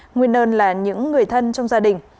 nguyên nơn là những người thân trong gia đình